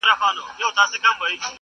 حافظه يې له ذهن نه نه وځي,